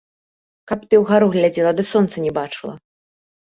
Каб ты ўгару глядзела ды сонца не бачыла!